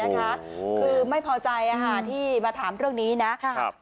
คือไม่พอใจที่มาถามเรื่องนี้นะครับ